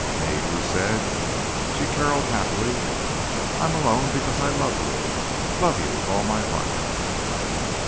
"Me?" Lou said. She caroled happily. "I'm Malone because I love you, love you with all my heart."